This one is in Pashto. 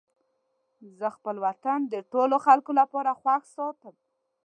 زه خپل وطن د ټولو خلکو لپاره خوښ ساتم.